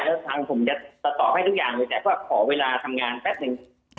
แล้วทางผมจะตอบให้ทุกอย่างเลยแต่ก็ขอเวลาทำงานแป๊บหนึ่ง